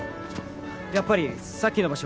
やっぱりさっきの場所